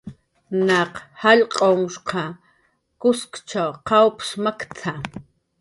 "Naq jallq'unhshqaq kuskchaw qawps makt""a"